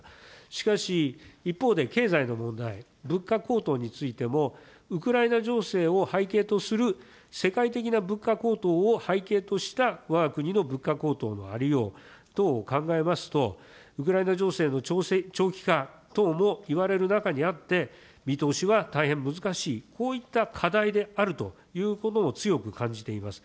しかし、一方で経済の問題、物価高騰についても、ウクライナ情勢を背景とする、世界的な物価高騰を背景とした、わが国の物価高騰のありよう等を考えますと、ウクライナ情勢の長期化等もいわれる中にあって、見通しは大変難しい、こういった課題であるということも強く感じています。